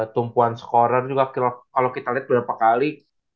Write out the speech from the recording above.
tumpuan scorer juga kalo kita liat berapa kali